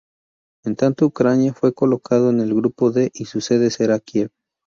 En tanto Ucrania fue colocado en el Grupo D y su sede será Kiev.